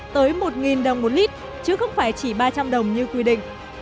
tới một đồng một lít chứ không phải chỉ ba trăm linh đồng như quy định